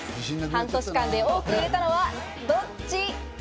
半年間で多く売れたのはどっち？